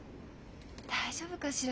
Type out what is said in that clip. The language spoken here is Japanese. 大丈夫かしら？